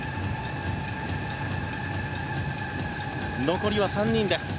残りは３人です。